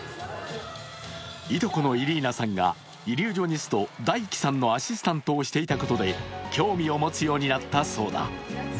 いとこのイリーナさんがイリュージョニスト、ＤＡＩＫＩさんのアシスタントをしていたことで興味を持つようになったそうだ。